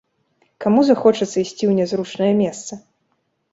Каму захочацца ісці ў нязручнае месца?